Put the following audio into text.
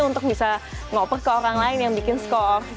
untuk bisa ngoper ke orang lain yang bikin skor